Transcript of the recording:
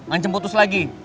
anjem putus lagi